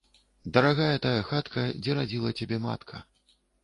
Дарагая тая хатка, дзе радзіла цябе матка.